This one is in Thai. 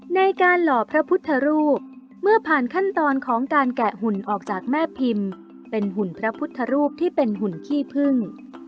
หล่อพระพุทธรูปเมื่อผ่านขั้นตอนของการแกะหุ่นออกจากแม่พิมพ์เป็นหุ่นพระพุทธรูปที่เป็นหุ่นขี้พึ่ง